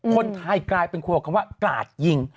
คนไทยกลายเป็นครัวกลาดยิง